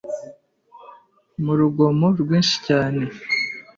mu rugomo rwinshi cyane